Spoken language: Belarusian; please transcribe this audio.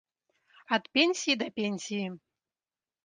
Ад пенсіі да пенсіі.